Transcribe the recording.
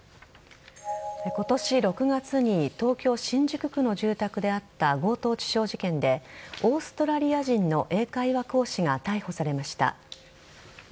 今年６月に東京・新宿区の住宅であった強盗致傷事件でオーストラリア人の英会話講師が逮捕されました。